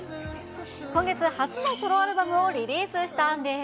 今月初のソロアルバムをリリースしたんです。